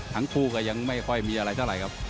ทั้งคู่ก็ยังไม่ค่อยมีอะไรเท่าไหร่ครับ